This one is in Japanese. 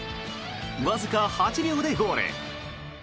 わずか８秒でゴール。